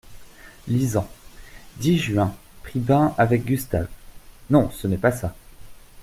Lisant. « dix Juin — pris bain avec Gustave » non, ce n’est pas ça !